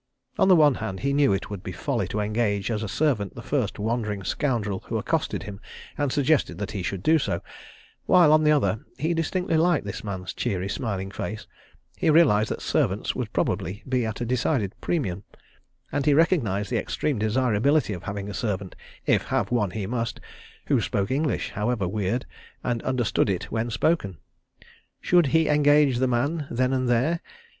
On the one hand, he knew it would be folly to engage as a servant the first wandering scoundrel who accosted him and suggested that he should do so; while, on the other, he distinctly liked this man's cheery, smiling face, he realised that servants would probably be at a decided premium, and he recognised the extreme desirability of having a servant, if have one he must, who spoke English, however weird, and understood it when spoken. Should he engage the man then and there?